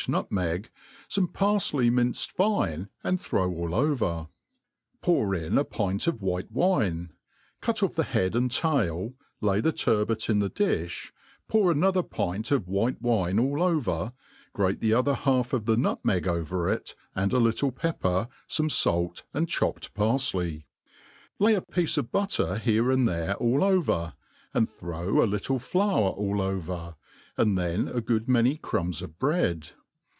nutmeg, fome parfley minced fine&nd thro^ all over^ pour in a pint of white wine, cut ofFthie head and tail, lay the turbot in , the difli, pour another pint of white wine all over, grate Hoc other half of the nutmejg oVer It, and a little peppef, fome fait and chopped parfley. Lay a piece of butter here and there' afl over, and throw a Mttle fiour a}) over,' and thei^ a good many crumbs of bread.